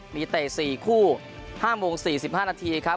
มีเตะ๔คู่๕โมง๔๕นาทีครับ